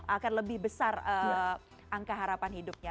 akan lebih besar angka harapan hidupnya